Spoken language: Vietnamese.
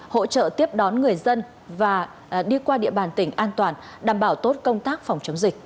hỗ trợ tiếp đón người dân và đi qua địa bàn tỉnh an toàn đảm bảo tốt công tác phòng chống dịch